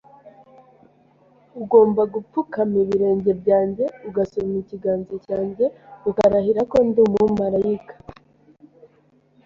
Ugomba gupfukama ibirenge byanjye, ugasoma ikiganza cyanjye ukarahira ko ndi umumarayika.